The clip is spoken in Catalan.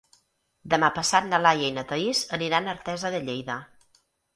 Demà passat na Laia i na Thaís aniran a Artesa de Lleida.